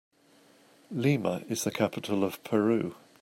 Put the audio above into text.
Lima is the capital of Peru.